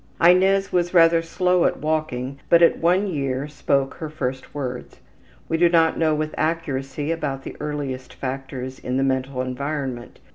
'' Inez was rather slow at walking, but at one year spoke her first words. We do not know with accuracy about the earliest factors in the mental environment.